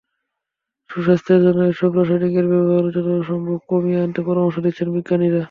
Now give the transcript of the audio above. সুস্বাস্থ্যের জন্য এসব রাসায়নিকের ব্যবহারও যথাসম্ভব কমিয়ে আনতে পরামর্শ দিচ্ছেন বিজ্ঞানীরা।